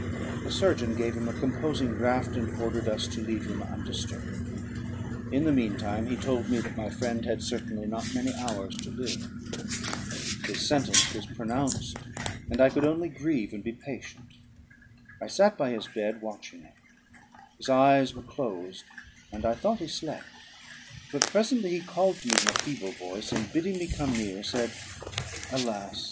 The surgeon gave him a composing draught, and ordered us to leave him undisturbed. In the mean time he told me, that my friend had certainly not many hours to live. His sentence was pronounced; and I could only grieve, and be patient. I sat by his bed, watching him; his eyes were closed, and I thought he slept; but presently he called to me in a feeble voice, and, bidding me come near, said "Alas!